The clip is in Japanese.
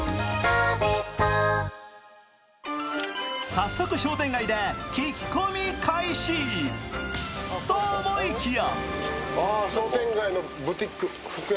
早速商店街で聞き込み開始と、思いきや！